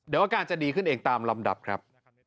เดี๋ยวอาการจะดีขึ้นเองตามลำดับครับ